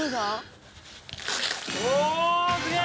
おおすげえ！